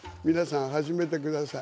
皆さん始めてください。